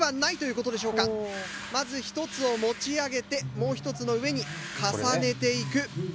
まず１つを持ち上げてもう１つの上に重ねていく。